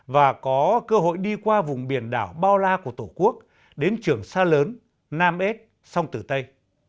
và có cơ hội đi qua vùng biển đảo bao la của tổ quốc đến trường sa lớn nam ết sông tử tây